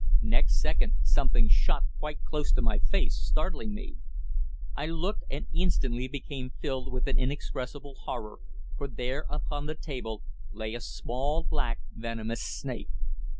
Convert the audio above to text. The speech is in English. Next second something shot quite close to my face, startling me. I looked, and instantly became filled with an inexpressible horror, for there, upon the table, lay a small, black, venomous snake.